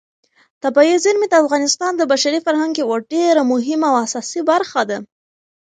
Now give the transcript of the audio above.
طبیعي زیرمې د افغانستان د بشري فرهنګ یوه ډېره مهمه او اساسي برخه ده.